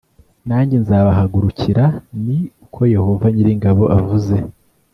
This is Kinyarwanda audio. nanjye nzabahagurukira ni ko yehova nyir’ingabo avuze